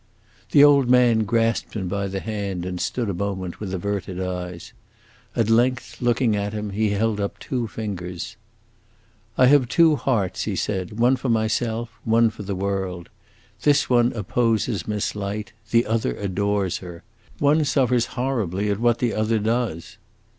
The old man grasped him by the hand and stood a moment with averted eyes. At last, looking at him, he held up two fingers. "I have two hearts," he said, "one for myself, one for the world. This one opposes Miss Light, the other adores her! One suffers horribly at what the other does."